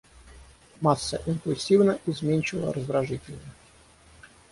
Масса импульсивна, изменчива, раздражительна.